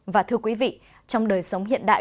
và thưa quý vị trong đời sống hiện đại